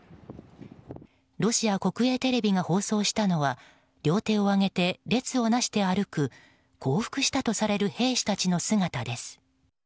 ロシア国営テレビが放送したのは両手を上げて列をなして歩く降伏したとされる兵士たちの姿です。